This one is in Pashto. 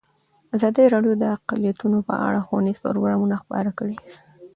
ازادي راډیو د اقلیتونه په اړه ښوونیز پروګرامونه خپاره کړي.